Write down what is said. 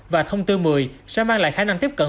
và thông tư một mươi sẽ mang lại khả năng tiếp cận